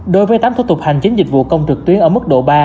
đối với tám thủ tục hành chính dịch vụ công trực tuyến ở mức độ ba